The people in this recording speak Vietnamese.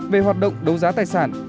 về hoạt động đấu giá tài sản